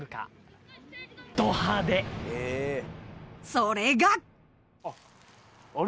［それが］